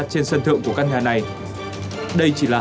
trên sân thượng của căn nhà này